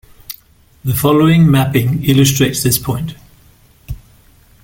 The following mapping illustrates this point.